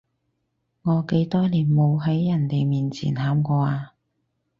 我幾多年冇喺人哋面前喊過啊